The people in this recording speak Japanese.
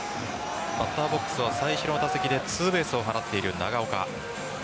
バッターボックスは最初の打席でツーベースを放っている長岡。